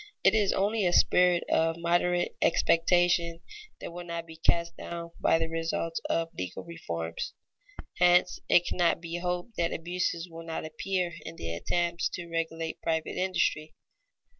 It is only a spirit of moderate expectation that will not be cast down by the results of legal "reforms." Hence it cannot be hoped that abuses will not appear in the attempts to regulate private industry.